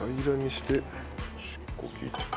端っこ切って。